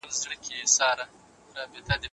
ایا ته پوهېږې چې ولې د ونو پاڼې رژېږي؟